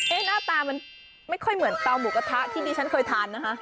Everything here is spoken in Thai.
หน้าตามันไม่ค่อยเหมือนเตาหมูกระทะที่ดิฉันเคยทานนะคะ